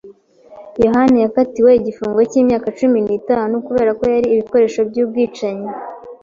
yohani yakatiwe igifungo cy’imyaka cumi n'itanu kubera ko yari ibikoresho by’ubwicanyi.